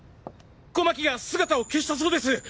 小牧が姿を消したそうです！